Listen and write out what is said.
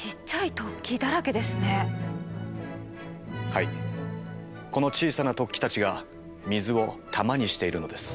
はいこの小さな突起たちが水を玉にしているのです。